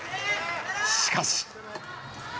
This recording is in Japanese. しかし。